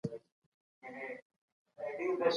هنري ژبه په زړونو کي ځای پیدا کوي.